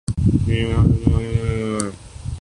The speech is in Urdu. عمران خان کا قدم بھی ساتویں دھائی کی دہلیز پر ہے۔